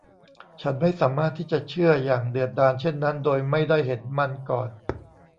ฉันไม่สามารถที่จะเชื่ออย่างเดือดดาลเช่นนั้นโดยไม่ได้เห็นมันก่อน